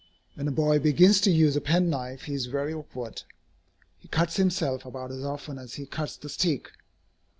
When a boy begins to use a penknife, he is very awkward. He cuts himself about as often as he cuts the stick.